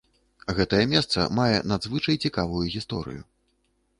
Гэтае месца мае надзвычай цікавую гісторыю.